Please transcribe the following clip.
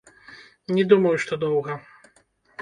Не думаю, што доўга.